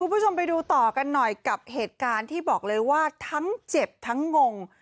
คุณผู้ชมไปดูต่อกันหน่อยกับเหตุการณ์ที่บอกเลยว่าทั้งเจ็บทั้งงง